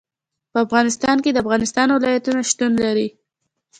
په افغانستان کې د افغانستان ولايتونه شتون لري.